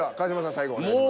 最後お願いします。